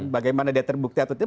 bagaimana dia terbukti atau tidak